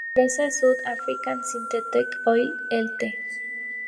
La empresa South African Synthetic Oil Ltd.